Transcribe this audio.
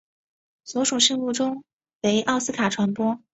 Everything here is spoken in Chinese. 所属事务所为奥斯卡传播。